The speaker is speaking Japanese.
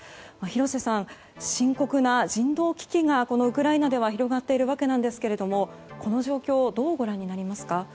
廣瀬さん、深刻な人道危機がウクライナでは広がっているわけなんですけれどこの状況をどうご覧になりますか？